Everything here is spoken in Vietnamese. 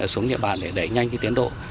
xuống địa bàn để đẩy nhanh tiến độ